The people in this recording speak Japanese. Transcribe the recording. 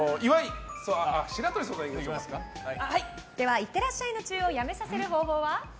では、いってらっしゃいのチューをやめさせる方法は？